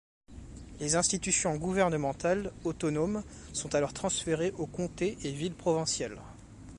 Les institutions gouvernementales autonomes sont alors transférées aux comtés et villes provinciales.